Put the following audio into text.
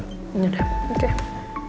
nanti biar aku suruh rendy ngambil